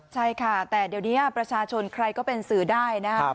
ใช่ค่ะแต่เดี๋ยวนี้ประชาชนใครก็เป็นสื่อได้นะครับ